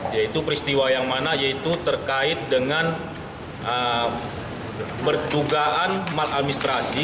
yaitu peristiwa yang mana yaitu terkait dengan bertugaan maladministrasi